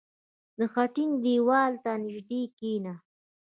• د خټین دیوال ته نژدې کښېنه.